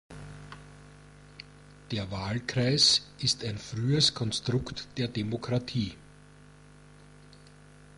Der Wahlkreis ist ein frühes Konstrukt der Demokratie.